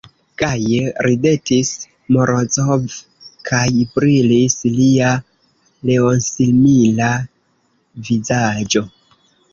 Gaje ridetis Morozov, kaj brilis lia leonsimila vizaĝo.